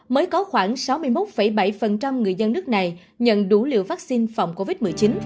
mới có khoảng sáu mươi một bảy người dân nước này nhận đủ liều vaccine phòng covid một mươi chín